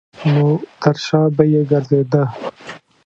نو تر شا به یې ګرځېده.